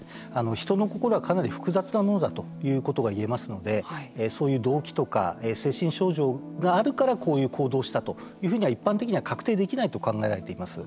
人の心はかなり複雑なものだということがいえますので、そういう動機とか精神症状があるからこういう行動をしたというふうには一般的には確定できないと考えられています。